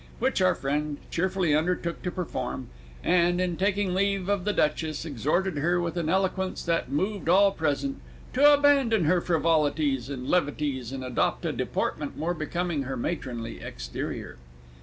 Which our friend cheerfully undertook to perform, and, in taking leave of the Duchess, exhorted her, with an eloquence that moved all present, to abandon her frivolities and levities and adopt a deportment more becoming to her matronly exterior.